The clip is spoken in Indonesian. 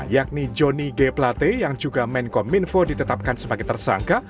yakni johnny g plate yang juga menkom info ditetapkan sebagai tersangka